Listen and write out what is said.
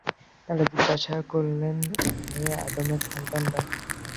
তারা জিজ্ঞাসা করলেন, হে আদমের সন্তানরা!